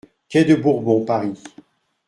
Quai de Bourbon, Paris